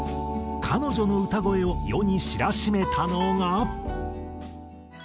彼女の歌声を世に知らしめたのが。